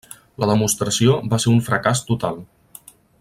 La demostració va ser un fracàs total.